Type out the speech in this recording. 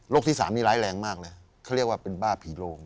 ที่๓นี้ร้ายแรงมากเลยเขาเรียกว่าเป็นบ้าผีโรง